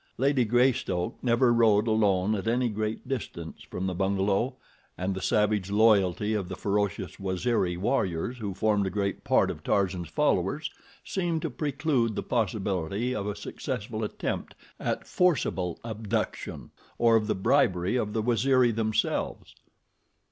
Lady Greystoke never rode alone at any great distance from the bungalow, and the savage loyalty of the ferocious Waziri warriors who formed a great part of Tarzan's followers seemed to preclude the possibility of a successful attempt at forcible abduction, or of the bribery of the Waziri themselves.